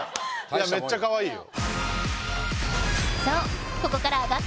めっちゃかわいいよ。